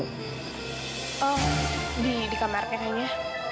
oh di di kamarnya kan ya